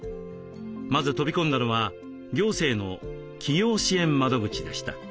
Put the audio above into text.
まず飛び込んだのは行政の起業支援窓口でした。